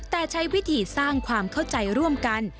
แต่ใช้วิธีสร้างความเข้าใจร่วมกัน